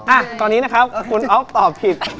อ่ะตอนนี้นะครับคุณอ๊อฟตอบผิด